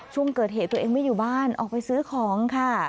ช่วงเกิดเหตุตัวเองไม่อยู่บ้านออกไปซื้อของค่ะ